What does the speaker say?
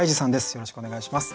よろしくお願いします。